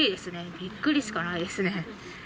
びっくりしかないですね。